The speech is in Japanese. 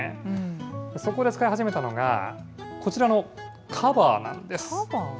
そこで使い始めたのが、こちらのカバーなんです。